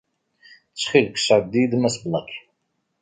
Ttxil-k, sɛeddi-iyi-d Mass Black.